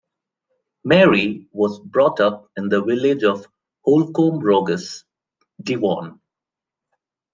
Mary was brought up in the village of Holcombe Rogus, Devon.